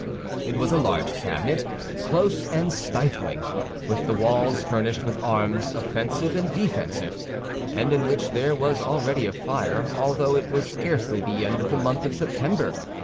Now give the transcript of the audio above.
It was a large cabinet, close and stifling, with the walls furnished with arms offensive and defensive, and in which there was already a fire, although it was scarcely the end of the month of September.